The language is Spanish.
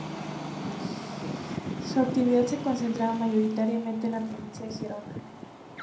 Su actividad se concentraba mayoritariamente en la Provincia de Gerona.